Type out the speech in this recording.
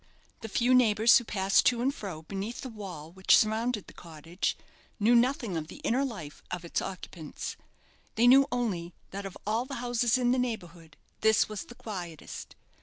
The few neighbours who passed to and fro beneath the wall which surrounded the cottage, knew nothing of the inner life of its occupants. They knew only that of all the houses in the neighbourhood this was the quietest.